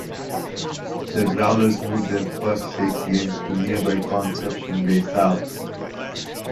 The Growlers moved their first six games to nearby Conception Bay South.